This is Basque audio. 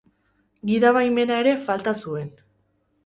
Gida baimena ere falta zuen.